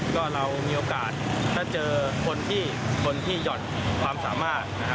ก็เรามีโอกาสถ้าเจอคนที่หย่อนความสามารถ